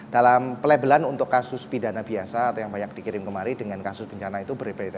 dalam pelabelan untuk kasus pidana biasa atau yang banyak dikirim kemari dengan kasus bencana itu berbeda